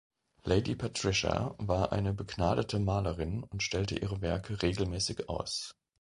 Lady Patricia war eine begnadete Malerin und stellte ihre Werke regelmäßig aus.